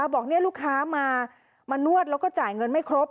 บอกลูกค้ามานวดแล้วก็จ่ายเงินไม่ครบ